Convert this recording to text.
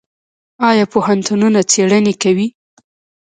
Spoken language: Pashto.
آیا پوهنتونونه څیړنې کوي؟